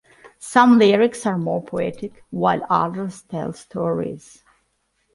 Some lyrics are more poetic, while others tell stories.